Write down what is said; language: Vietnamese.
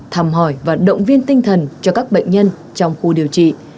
thăm hỏi và động viên tinh thần cho các bệnh nhân trong khu điều trị